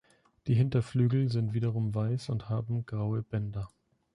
Die Hinterflügel sind wiederum weiß und haben graue Bänder.